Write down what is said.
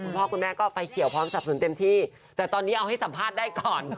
คุณพ่อคุณแม่ก็ไฟเขียวพร้อมสับสนเต็มที่แต่ตอนนี้เอาให้สัมภาษณ์ได้ก่อน